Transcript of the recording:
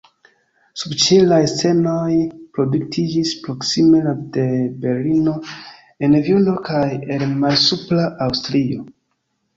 Subĉielaj scenoj produktiĝis proksime de Berlino, en Vieno kaj en Malsupra Aŭstrio.